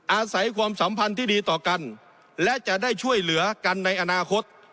อาศัยความสัมพันธ์ที่ดีต่อกันและจะได้ช่วยเหลือกันในอนาคต